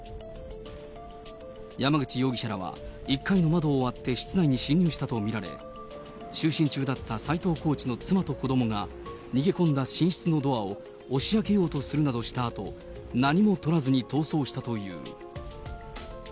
山口容疑者らは、１階の窓を割って室内に侵入したと見られ、就寝中だった斎藤コーチの妻と子どもが逃げ込んだ寝室のドアを押し開けようとするなどしたあと、何もとらずに逃走したという。